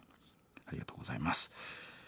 ありがとうございます。